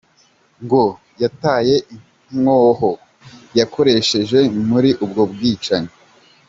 Ngo yataye inkoho yakoresheje muri ubwo bwicanyi.